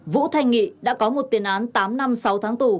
vũ thanh nghị đã có một tiền án tám năm sáu tháng tù